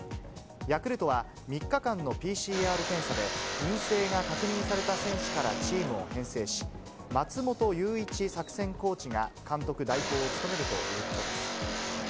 ヤクルトは３日間のＰＣＲ検査で、陰性が確認された選手からチームを編成し、松元ユウイチ作戦コーチが監督代行を務めるということです。